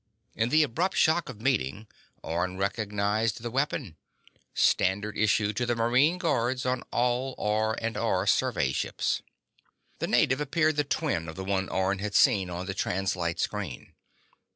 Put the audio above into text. In the abrupt shock of meeting, Orne recognized the weapon: standard issue to the marine guards on all R&R survey ships. The native appeared the twin of the one Orne had seen on the translite screen.